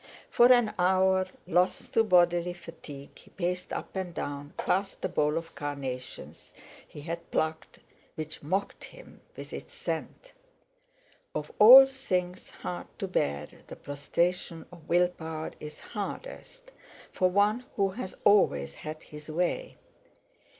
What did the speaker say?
For an hour, lost to bodily fatigue, he paced up and down, past the bowl of carnations he had plucked, which mocked him with its scent. Of all things hard to bear, the prostration of will power is hardest, for one who has always had his way.